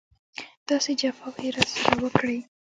داسې جفاوې یې راسره وکړې.